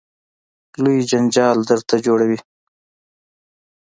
لوی جنجال درته جوړوي.